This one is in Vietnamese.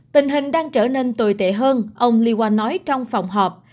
tình hình đang trở nên tồi tệ hơn ông liwan nói trong phòng họp